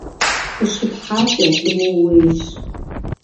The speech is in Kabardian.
КъыщыпхьакӀэ ууейщ!